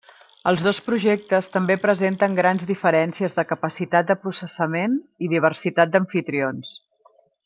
Els dos projectes també presenten grans diferències de capacitat de processament i diversitat d'amfitrions.